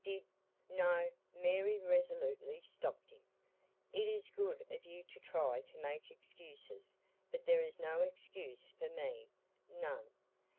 Did " "No," Mary resolutely stopped him. "It is good of you to try to make excuses, but there is no excuse for me none.